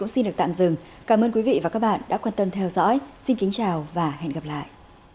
xin được tạm dừng cảm ơn quý vị và các bạn đã quan tâm theo dõi xin kính chào và hẹn gặp lại